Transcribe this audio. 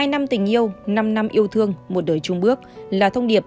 một mươi hai năm tình yêu năm năm yêu thương một đời chung bước là thông điệp